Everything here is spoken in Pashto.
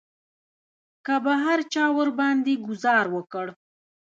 که به هر چا ورباندې ګوزار وکړ.